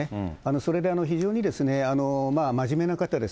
それで非常にまじめな方です。